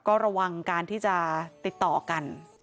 ก็ระวังการที่จะติดต่อกัน